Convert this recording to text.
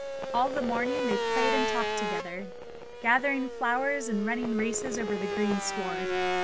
All the morning they played and talked together, gathering flowers and running races over the green sward.